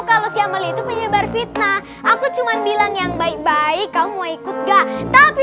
kalau si amal itu penyebar fitnah aku cuman bilang yang baik baik kamu mau ikut gak tapi